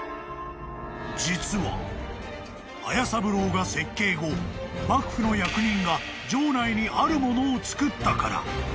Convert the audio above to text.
［実は斐三郎が設計後幕府の役人が城内にあるものを造ったから］